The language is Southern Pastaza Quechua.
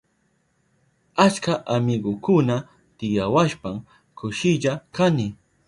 Achka amigukuna tiyawashpan kushilla kani.